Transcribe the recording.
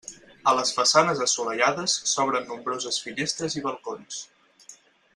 A les façanes assolellades s'obren nombroses finestres i balcons.